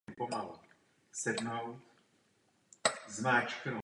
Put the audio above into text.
Poté si objekty upravili pro svoje bohoslužby.